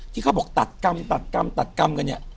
ที่เขาบอกตัดกรรมตัดกรรมตัดกรรมกันเนี่ย